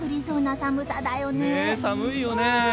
寒いよね。